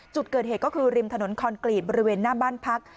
จุดเกิดเหตุก็คือริมถนนคอนกรีตบริเวณหน้าบ้านพัก